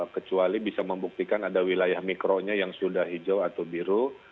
kecuali bisa membuktikan ada wilayah mikronya yang sudah hijau atau biru